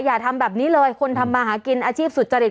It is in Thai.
อย่าทำแบบนี้เลยคนทำมาหากินอาชีพสุจริต